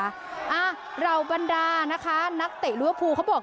อ่าราวบันดานะคะนักเตะรัวพูเขาบอก